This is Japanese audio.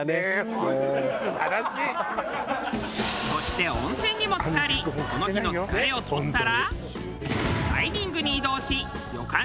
そして温泉にもつかりこの日の疲れを取ったらダイニングに移動し旅館